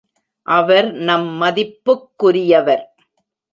அவர் நம் மதிப்புக்குரியவர்.